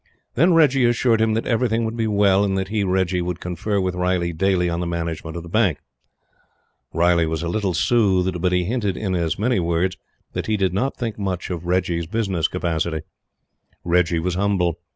Then Reggie assured him that everything would be well, and that he, Reggie, would confer with Riley daily on the management of the Bank. Riley was a little soothed, but he hinted in as many words that he did not think much of Reggie's business capacity. Reggie was humble.